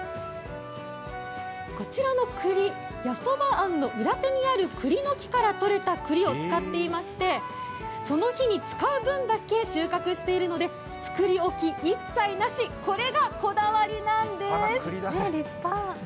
こちらのくり、八十八庵の裏手にあるくりの木からとれたくりを使っていまして、その日に使う分だけ収穫しているので作り置き一切なし、これがこだわりなんです。